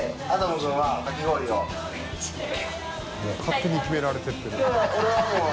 もう勝手に決められていってる。